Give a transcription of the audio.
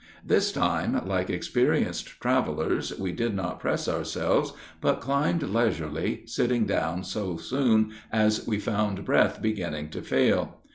This time, like experienced travelers, we did not press ourselves, but climbed leisurely, sitting down so soon as we found breath beginning to fail.